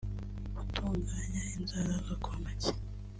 gutunganya inzara zo ku ntoki